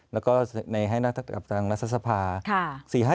แล้วก็ในให้นักกระทั่งรัฐทรัศพา